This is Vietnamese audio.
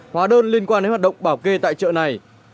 hóa đơn liên quan đến hoạt động bảo kê tại chợ này